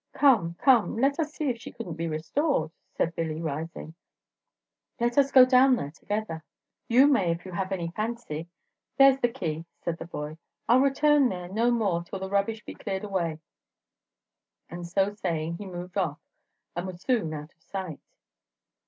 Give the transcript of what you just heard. "Come, come, let us see if she couldn't be restored," said Billy, rising. "Let us go down there together." "You may, if you have any fancy, there's the key," said the boy. "I 'll return there no more till the rubbish be cleared away." And so saying, he moved off, and was soon out of sight.